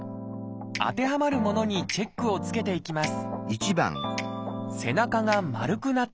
当てはまるものにチェックをつけていきます